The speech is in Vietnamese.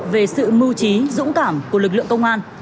về sự mưu trí dũng cảm của lực lượng công an